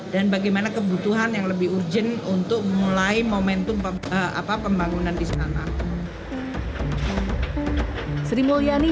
dan bagaimana kebutuhan yang lebih urgent untuk mulai momentum apa pembangunan di sana sri mulyani